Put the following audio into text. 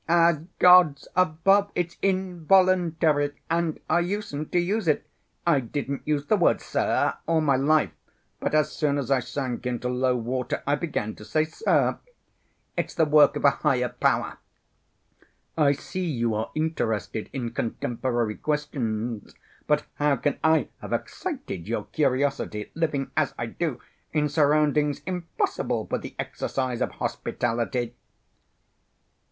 "As God's above, it's involuntary, and I usen't to use it! I didn't use the word 'sir' all my life, but as soon as I sank into low water I began to say 'sir.' It's the work of a higher power. I see you are interested in contemporary questions, but how can I have excited your curiosity, living as I do in surroundings impossible for the exercise of hospitality?"